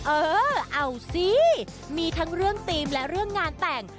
เออเอาสิมีทั้งเรื่องธีมและเรื่องงานแต่ง